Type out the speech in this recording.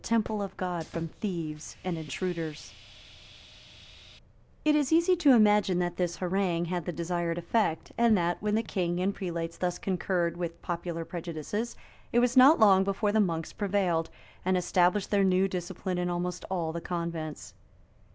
] It is easy to imagine that this harangue had the desired effect; and that, when the king and prelates thus concurred with popular prejudices, it was not long before the monks prevailed, and established their new discipline in almost all the convents.